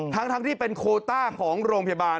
ทั้งที่เป็นโคต้าของโรงพยาบาล